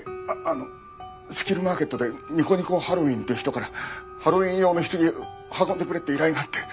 あのスキルマーケットでにこにこハロウィーンって人からハロウィーン用の棺を運んでくれって依頼があって。